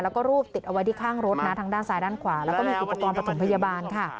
แล้วก็รูปติดเอาไว้ที่ข้างรถนะทางด้านซ้ายด้านขวาแล้วก็มีอุปกรณ์ประถมพยาบาลค่ะ